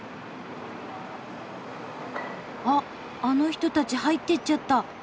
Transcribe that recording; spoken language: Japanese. あっあの人たち入ってっちゃった。